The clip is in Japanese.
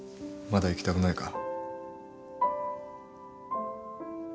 まだ行きたくないか？